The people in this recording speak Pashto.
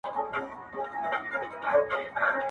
• دا ځل به مخه زه د هیڅ یو توپان و نه نیسم.